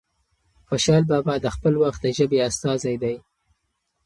خوشال بابا د خپل وخت د ژبې استازی دی.